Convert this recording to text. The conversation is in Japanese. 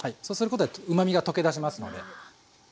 そうすることでうまみが溶け出しますので。